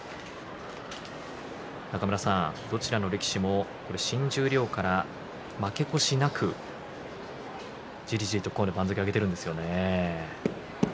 中村さん、どちらの力士も新十両から負け越しなく、じりじりとここまで番付を上げているんですよね。